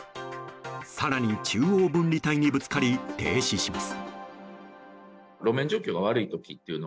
更に中央分離帯にぶつかり停止します。